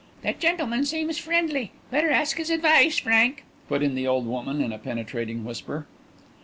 "The gentleman seems friendly. Better ask his advice, Frank," put in the old woman in a penetrating whisper.